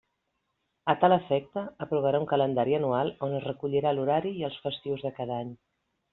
A tal efecte aprovarà un calendari anual on es recollirà l'horari i els festius de cada any.